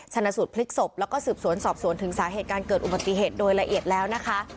ชนะสูตรพลิกศพแล้วก็สืบสวนสอบสวนถึงสาเหตุการเกิดอุบัติเหตุโดยละเอียดแล้วนะคะ